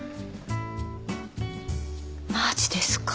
マジですか？